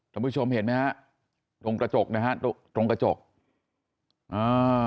ท่านผู้ชมเห็นไหมตรงกระจกนะฮะ